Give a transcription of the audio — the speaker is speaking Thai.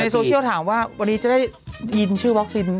โซเชียลถามว่าวันนี้จะได้ยินชื่อวัคซีนไหม